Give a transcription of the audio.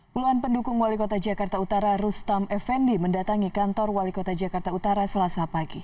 puluhan pendukung wali kota jakarta utara rustam effendi mendatangi kantor wali kota jakarta utara selasa pagi